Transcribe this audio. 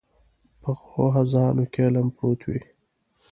پخو اذهانو کې علم پروت وي